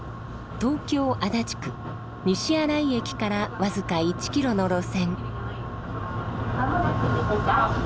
東京・足立区西新井駅から僅か１キロの路線。